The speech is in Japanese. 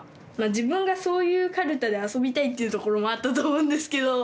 自分がそういうカルタで遊びたいっていうところもあったと思うんですけど。